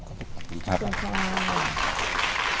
ขอบคุณครับ